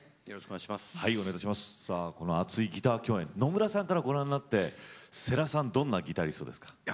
熱いギター共演野村さんからご覧になって世良さんはどんなギタリストですか？